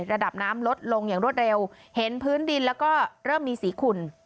ระดับน้ำลดลงอย่างรวดเร็วเห็นพื้นดินแล้วก็เริ่มมีสีขุ่น